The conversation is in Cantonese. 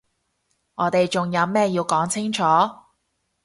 我哋仲有咩要講清楚？